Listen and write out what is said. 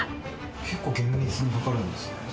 結構厳密に量るんですね。